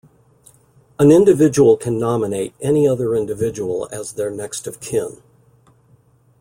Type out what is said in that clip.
An individual can nominate any other individual as their next-of-kin.